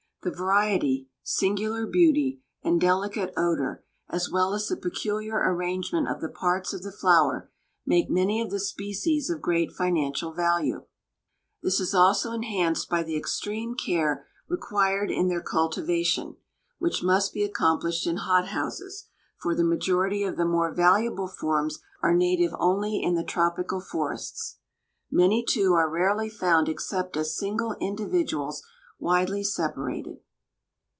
The variety, singular beauty, and delicate odor, as well as the peculiar arrangement of the parts of the flower, make many of the species of great financial value. This is also enhanced by the extreme care required in their cultivation, which must be accomplished in hothouses, for the majority of the more valuable forms are native only in the tropical forests. Many, too, are rarely found except as single individuals widely separated.